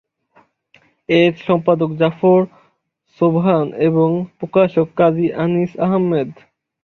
এর সম্পাদক জাফর সোবহান এবং প্রকাশক কাজী আনিস আহমেদ।